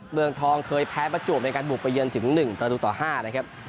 เมืองทองเคยแพ้ประจวบในการบุกไปเยือนถึง๑ประตูต่อ๕นะครับ